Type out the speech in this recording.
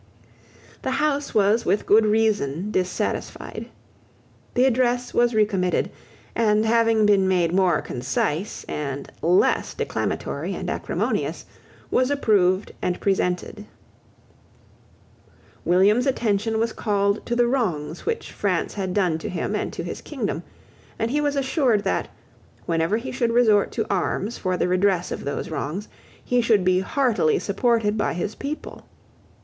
The House was with good reason dissatisfied. The address was recommitted, and, having been made more concise, and less declamatory and acrimonious, was approved and presented, William's attention was called to the wrongs which France had done to him and to his kingdom; and he was assured that, whenever he should resort to arms for the redress of those wrongs, he should be heartily supported by his people.